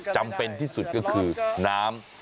จำเป็นที่สุดก็คือน้ำ